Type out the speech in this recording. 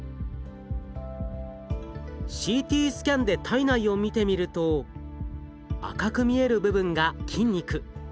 ＣＴスキャンで体内を見てみると赤く見える部分が筋肉。